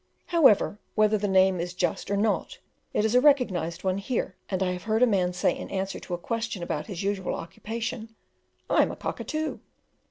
However, whether the name is just or not, it is a recognized one here; and I have heard a man say in answer to a question about his usual occupation, "I'm a Cockatoo."